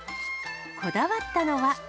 こだわったのは。